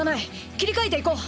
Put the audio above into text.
切り替えていこう！